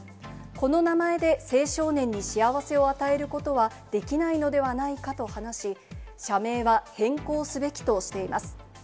この名前で青少年に幸せを与えることはできないのではないかと話し、社名は変更すべきとしています。